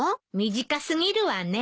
短すぎるわね。